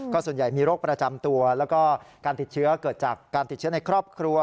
ส่วนใหญ่มีโรคประจำตัวแล้วก็การติดเชื้อเกิดจากการติดเชื้อในครอบครัว